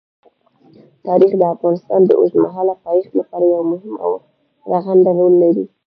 تاریخ د افغانستان د اوږدمهاله پایښت لپاره یو مهم او رغنده رول لري.